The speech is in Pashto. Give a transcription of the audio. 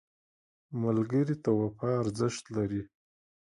ملګری ته وفا ارزښت لري